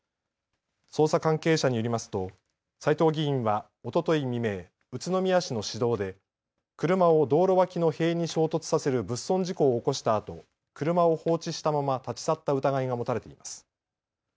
捜査関係者によりますと斉藤議員は、おととい未明、宇都宮市の市道で車を道路脇の塀に衝突させる物損事故を起こしたあと車を放置したまま立ち去った疑いが持たれています。